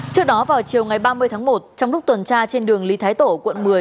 trước đó vào chiều ngày ba mươi tháng một trong lúc tuần tra trên đường lý thái tổ quận một mươi